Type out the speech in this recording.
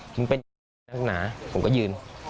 มันเป็นอะไรนักหนาผมก็ยืน